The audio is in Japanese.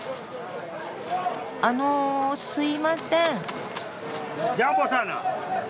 あのすいません。